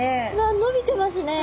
伸びてますね。